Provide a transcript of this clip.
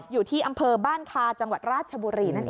อยู่ที่อำเภอบ้านคาจังหวัดราชบุรีนั่นเอง